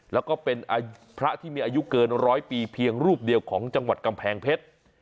แล้วก็เป็นพระที่มีอายุเกินร้อยปีเพียงรูปเดียวของจังหวัดกำแพงเพชร